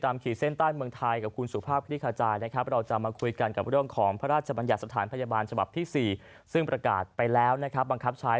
มีความรักกลุ่มมากยิ่งขึ้นด้วย